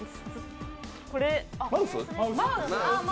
これ。